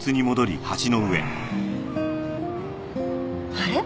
あれ？